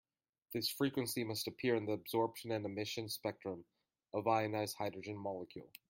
This frequency must appear in the absorption and emission spectrum of ionized hydrogen molecule.